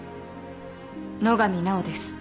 野上奈緒です。